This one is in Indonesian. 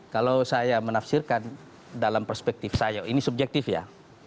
kalau saya menafsirkan dalam perspektif saya ini subjektif ya